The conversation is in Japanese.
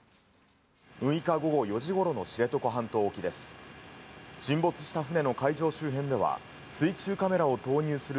６日午後４時ごろの知床半島沖です。